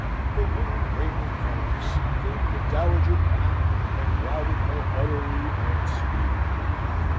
The little reigning Countess gave the dowager battle, and routed her utterly and speedily.